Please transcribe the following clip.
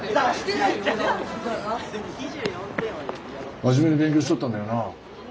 真面目に勉強しとったんだよな？